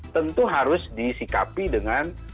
tentu harus disikapi dengan